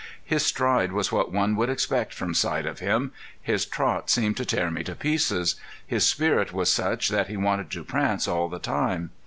His stride was what one would expect from sight of him; his trot seemed to tear me to pieces; his spirit was such that he wanted to prance all the time.